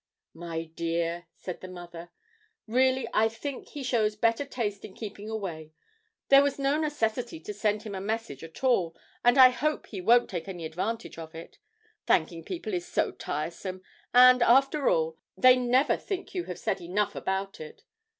'My dear,' said her mother, 'really I think he shows better taste in keeping away; there was no necessity to send him a message at all, and I hope he won't take any advantage of it. Thanking people is so tiresome and, after all, they never think you have said enough about it.